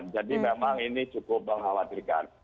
jadi memang ini cukup mengkhawatirkan